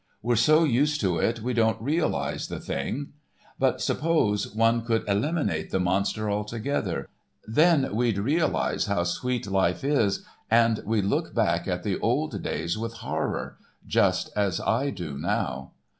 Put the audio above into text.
We're so used to it we don't realise the Thing. But suppose one could eliminate the Monster altogether. Then we'd realise how sweet life was, and we'd look back at the old days with horror—just as I do now."